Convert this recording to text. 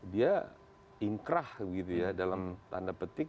dia ingkrah gitu ya dalam tanda petik